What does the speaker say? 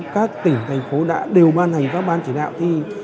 các tỉnh thành phố đã đều ban hành các ban chỉ đạo thi